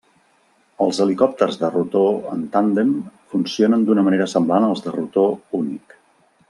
Els helicòpters de rotor en tàndem funcionen d'una manera semblant als de rotor únic.